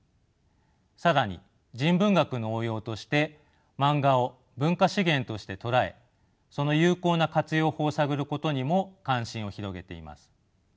更に人文学の応用としてマンガを文化資源として捉えその有効な活用法を探ることにも関心を広げています。